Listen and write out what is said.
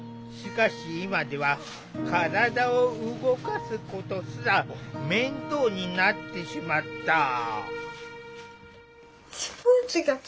しかし今では体を動かすことすら面倒になってしまった。